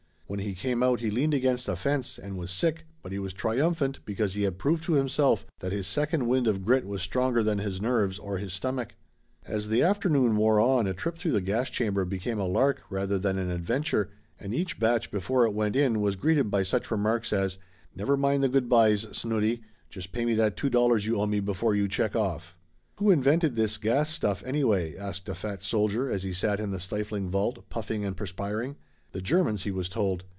When he came out he leaned against a fence and was sick, but he was triumphant because he had proved to himself that his second wind of grit was stronger than his nerves or his stomach. As the afternoon wore on a trip through the gas chamber became a lark rather than an adventure and each batch before it went in was greeted by such remarks as "Never mind the good byes, Snooty! Just pay me that $2 you owe me before you check off." "Who invented this gas stuff, anyway?" asked a fat soldier, as he sat in the stifling vault, puffing and perspiring. "The Germans," he was told.